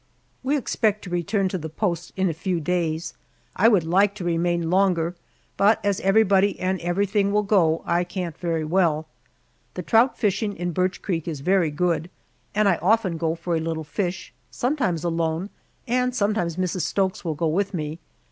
We expect to return to the post in a few days. I would like to remain longer, but as everybody and everything will go, I can't very well. The trout fishing in Birch Creek is very good, and I often go for a little fish, sometimes alone and sometimes Mrs. Stokes will go with me.